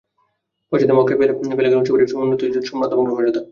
পশ্চাতে মক্কায় ফেলে গেলেন উঁচু বাড়ি, সমুন্নত ইজ্জত ও সভ্রান্ত বংশ-মর্যাদা।